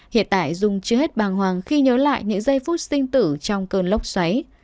hiện tại dung chưa hết bàng hoàng khi nhớ lại những giây phút sinh tử trong cơn lốc xoáy